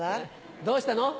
どうしたの？